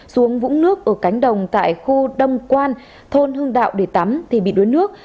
xuống vũng nước ở cánh đồng tại khu đông quan thôn hưng đạo để tắm thì bị đuối nước